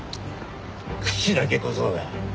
口だけ小僧が。